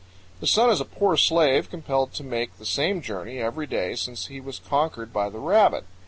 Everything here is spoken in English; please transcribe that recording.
The sun is a poor slave compelled to make the same journey every day since he was conquered by the rabbit.